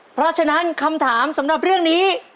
เพราะฉะนั้นคำถามสำหรับเรื่องนี้